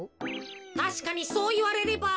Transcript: たしかにそういわれれば。